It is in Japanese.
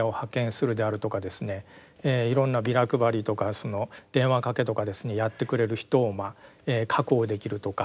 いろんなビラ配りとか電話かけとかですねやってくれる人を確保できるとか。